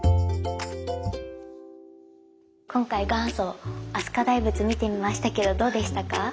今回元祖飛鳥大仏見てみましたけどどうでしたか？